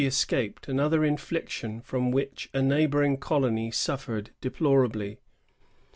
157 escaped another infliction from which a neighhoring colony suffered deplorably.